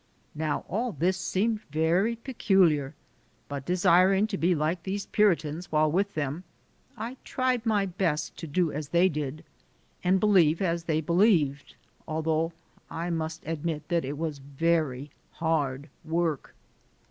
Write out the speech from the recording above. Now all this seemed very peculiar, but desiring to be like these Puritans while with them, I tried my best to do as they did, and believe as they believed, although I must admit that it was very hard work.